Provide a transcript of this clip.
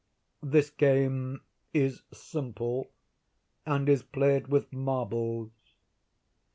This game is simple, and is played with marbles.